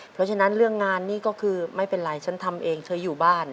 เพราะฉะนั้นเรื่องงานนี่ก็คือไม่เป็นไรฉันทำเองเธออยู่บ้าน